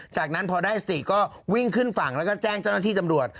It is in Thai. จากนั้นพอได้๔ก็วิ่งขึ้นฝั่งแล้วก็แจ้งเจ้าหน้าที่ตำรวจ